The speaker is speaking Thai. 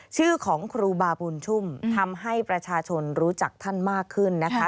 ชื่อของครูบาบุญชุ่มทำให้ประชาชนรู้จักท่านมากขึ้นนะคะ